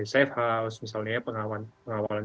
safe house misalnya pengawalan